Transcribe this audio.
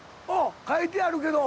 書いてあるけど。